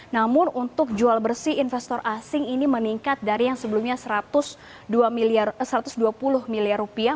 namun untuk jual bersih investor asing ini meningkat dari yang sebelumnya satu ratus dua puluh miliar rupiah